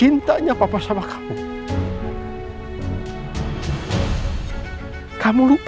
anda tidak bisa tetap milih